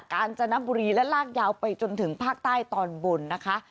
กาญจนบุรีและลากยาวไปจนถึงภาคใต้ตอนบนนะคะ